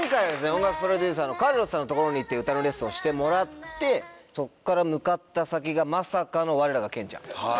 音楽プロデューサーのカルロスさんの所に行って歌のレッスンをしてもらってそっから向かった先がまさかの我らがケンちゃん。